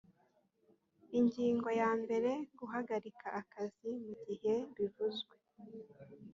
ingingo ya mbere guhagarika akazi mu gihe bivuzwe